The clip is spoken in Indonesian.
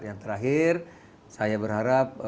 yang terakhir saya berharap